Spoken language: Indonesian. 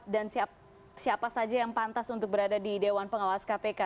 dan siapa saja yang pantas untuk berada di dewan pengawas kpk